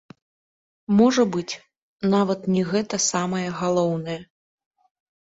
Можа быць, нават не гэта самае галоўнае.